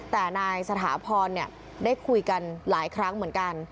แต่นายสถาพรได้คุยกันหลายครั้งเหมือนกัน